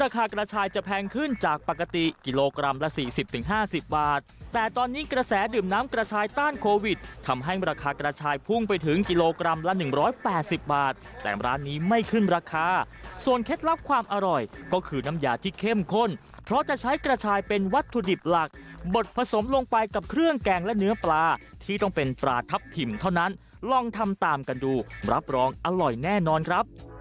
กระชายจะแพงขึ้นจากปกติกิโลกรัมละ๔๐๕๐บาทแต่ตอนนี้กระแสดื่มน้ำกระชายต้านโควิดทำให้ราคากระชายพุ่งไปถึงกิโลกรัมละ๑๘๐บาทแต่ร้านนี้ไม่ขึ้นราคาส่วนเคล็ดลับความอร่อยก็คือน้ำยาที่เข้มข้นเพราะจะใช้กระชายเป็นวัตถุดิบหลักบดผสมลงไปกับเครื่องแกงและเนื้อปลาที่ต้องเป็นปลาทับทิมเท่านั้นลองทำตามกันดูรับรองอร่อยแน่นอนครับ